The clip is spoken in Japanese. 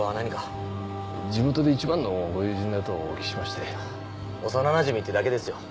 地元で一番のご友人だとお聞きしまして幼なじみってだけですよ